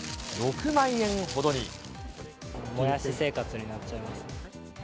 もやし生活になっちゃいますね。